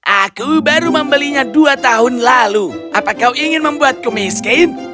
aku baru membelinya dua tahun lalu apa kau ingin membuatku miskin